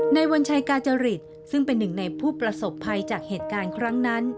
วัญชัยกาจริตซึ่งเป็นหนึ่งในผู้ประสบภัยจากเหตุการณ์ครั้งนั้น